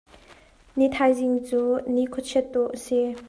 Nithaizing cu ni khuachiat dawh a si.